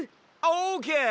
オーケー！